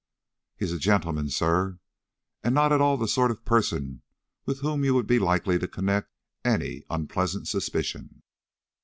"He is a gentleman, sir, and not at all the sort of person with whom you would be likely to connect any unpleasant suspicion."